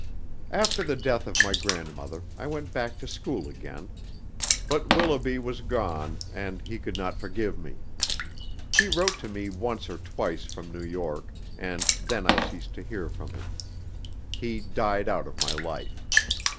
After the death of my grandmother, I went back to school again. But Willoughby was gone, and he could not forgive me. He wrote to me once or twice from New York, and then I ceased to hear from him. He died out of my life.